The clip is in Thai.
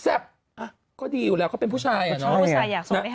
อะก็ดีอยู่แล้วเค้าเป็นผู้ชายอะ